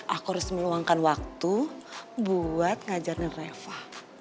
aku harus meluangkan waktu buat ngajarin reva